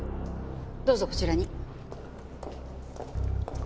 どうぞこちらに。